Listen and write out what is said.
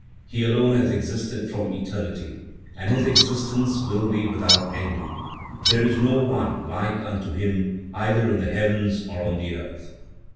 He alone has existed from eternity, and His existence will be without end; there is no one like unto Him either in the heavens or on the earth.